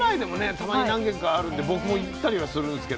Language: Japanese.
たまに何軒かあるんで僕も行ったりはするんですけどね